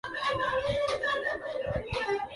وہ شہر ہے